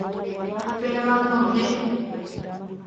Upévango nde